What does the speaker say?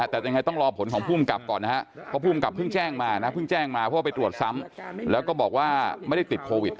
แต่ยังไงต้องรอผลของภูมิกับก่อนนะครับเพราะภูมิกับเพิ่งแจ้งมานะเพิ่งแจ้งมาเพราะว่าไปตรวจซ้ำแล้วก็บอกว่าไม่ได้ติดโควิด